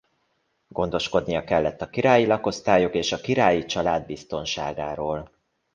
Gondoskodnia kellett a királyi lakosztályok és a királyi család biztonságáról.